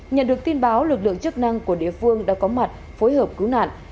nhận được tin báo lực lượng chức năng của địa phương đã có mặt phối hợp cứu nạn